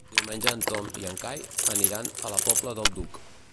Diumenge en Tom i en Cai aniran a la Pobla del Duc.